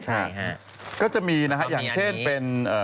ใช่ฮะก็จะมีนะฮะอย่างเช่นเป็น